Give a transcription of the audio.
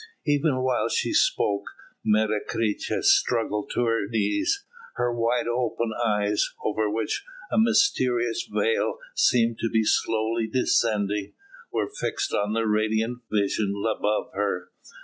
Even while she spoke, Menecreta struggled to her knees. Her wide open eyes, over which a mysterious veil seemed to be slowly descending, were fixed on the radiant vision above her.